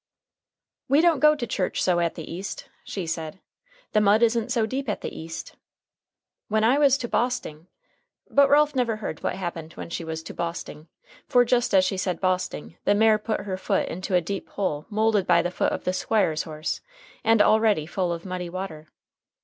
"We don't go to church so at the East," she said. "The mud isn't so deep at the East. When I was to Bosting " but Ralph never heard what happened when she was to Bosting, for just as she said Bosting the mare put her foot into a deep hole molded by the foot of the Squire's horse, and already full of muddy water.